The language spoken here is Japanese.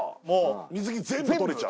水着全部取れちゃう？